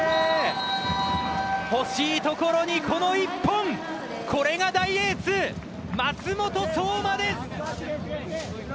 欲しいところに、この１本これが大エース舛本颯真です。